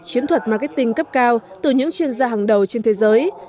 chiến thuật marketing cấp cao từ những chuyên gia hàng đầu trên thế giới